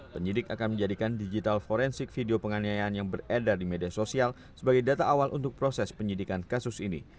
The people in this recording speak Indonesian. penyidik akan menjadikan digital forensik video penganiayaan yang beredar di media sosial sebagai data awal untuk proses penyidikan kasus ini